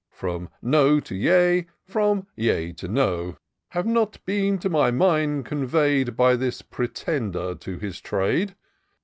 From no to yea — from yea to no, Have not been to my mind convey'd By this pretender to his trade.